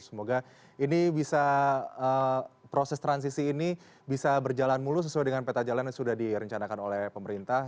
semoga ini bisa proses transisi ini bisa berjalan mulus sesuai dengan peta jalan yang sudah direncanakan oleh pemerintah